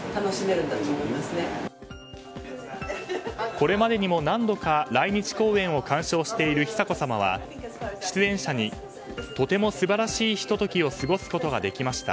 これまでにも何度か来日公演を鑑賞している久子さまは出演者にとても素晴らしいひと時を過ごすことができました